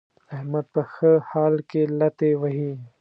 احمد په ښه حال کې لتې وهي.